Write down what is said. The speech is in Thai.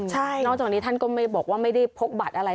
นอกจากนี้ท่านก็ไม่บอกว่าไม่ได้พกบัตรอะไร